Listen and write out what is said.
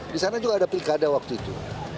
disana juga ada pilkada waktu itu